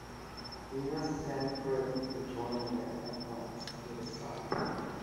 We must send for the joiner at once, with a saw.